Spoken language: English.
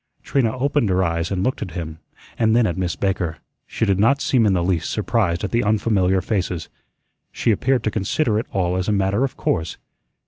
Trina opened her eyes and looked at him, and then at Miss Baker. She did not seem in the least surprised at the unfamiliar faces. She appeared to consider it all as a matter of course.